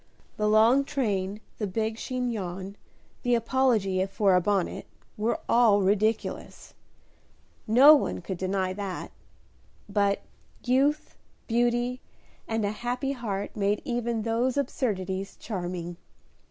The long train, the big chignon, the apology for a bonnet, were all ridiculous, no one could deny that, but youth, beauty, and a happy heart made even those absurdities charming.